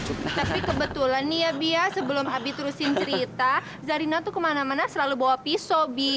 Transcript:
tapi kebetulan nih ya bi ya sebelum abi terusin cerita zarina tuh kemana mana selalu bawa pisau bi